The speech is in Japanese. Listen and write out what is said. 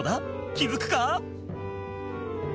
気付くか？」